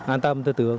an tâm tư tưởng